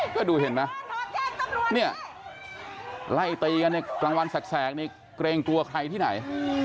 ก็ดูเห็นไหมเนี่ยไล่ตีกันในกลางวันแสกนี่เกรงกลัวใครที่ไหน